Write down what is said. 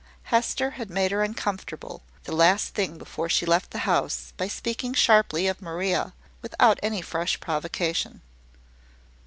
Hester had made her uncomfortable, the last thing before she left the house, by speaking sharply of Maria, without any fresh provocation.